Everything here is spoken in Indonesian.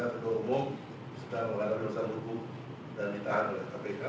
karena ketua umum sudah mengalami usaha lukuh dan ditahan oleh kpk